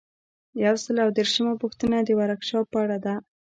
یو سل او دیرشمه پوښتنه د ورکشاپ په اړه ده.